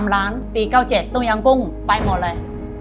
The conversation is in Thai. ๓ล้านปี๙๗ตู้ยางกุ้งไปหมดเลย